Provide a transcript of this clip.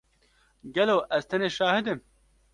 Gelo ez tenê şahid im?